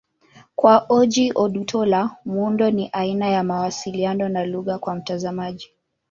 Kwa Ojih Odutola, muundo ni aina ya mawasiliano na lugha kwa mtazamaji.